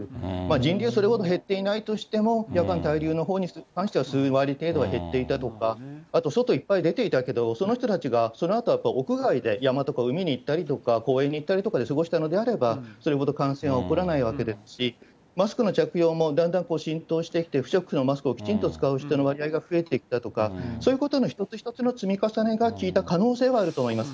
人流、それほど減っていないとしても、夜間滞留のほうに関しては、数割程度は減っていたとか、あと外いっぱい出ていたけど、その人たちが、そのあとやっぱり屋外で山とか海に行ったりとか、公園に行ったりとかで過ごしたのであれば、それほど感染は起こらないわけですし、マスクの着用も、だんだん浸透してきて、不織布のマスクをきちんと使う人の割合が増えてきたとか、そういうことの一つ一つの積み重ねが効いた可能性はあると思います。